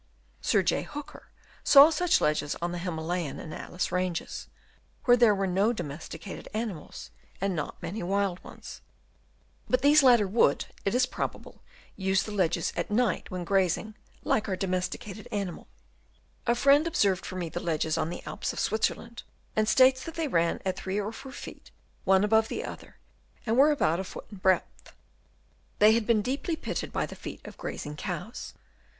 Sir J. Hooker saw such ledges on the Himalayan and Atlas ranges, where there were no domesticated animals and not many wild ones ; but these latter would, it is probable, use the ledges at night while grazing like our domesticated animals. A friend observed for me the ledges 282 DENUDATION TO LAND Chap. VL on the Alps of Switzerland, and states that they ran at 3 or 4 ft. one above the other, and were about a foot in breadth. They had been deeply pitted by the feet of grazing cows.